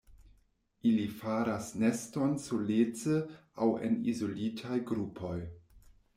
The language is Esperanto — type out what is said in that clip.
Ili faras neston solece aŭ en izolitaj grupoj.